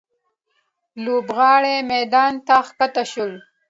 لوبغاړي میدان ته ښکته شول.